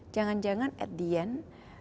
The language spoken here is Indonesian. jangan jangan at the end